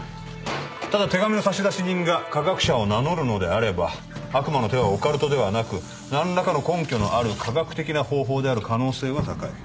ただ手紙の差出人が科学者を名乗るのであれば悪魔の手はオカルトではなく何らかの根拠のある科学的な方法である可能性は高い。